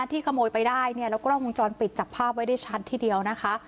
ที่ขโมยไปได้เนี่ยแล้วก็กล้องวงจรปิดจับภาพไว้ได้ชัดทีเดียวนะคะ